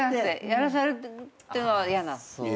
やらされてるのは嫌なの。